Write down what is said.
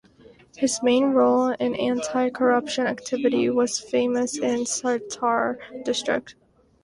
His main role in anti corruption activity was famous in Satara district.